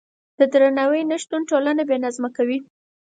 د درناوي نشتون ټولنه بې نظمه کوي.